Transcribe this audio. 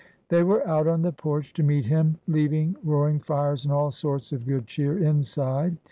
They were out on the porch to meet him, leaving roar ing fires and all sorts of good cheer inside.